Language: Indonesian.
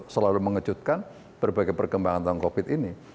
selalu mengejutkan berbagai perkembangan tentang covid ini